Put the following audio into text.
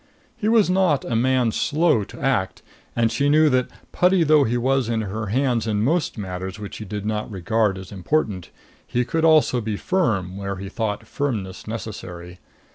He was not a man slow to act. And she knew that, putty though he was in her hands in matters which he did not regard as important, he could also be firm where he thought firmness necessary.